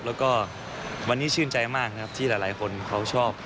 แล้วก็วันนี้ชื่นใจมากนะครับที่หลายคนเขาชอบ